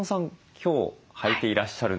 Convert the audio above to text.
今日履いていらっしゃるのは？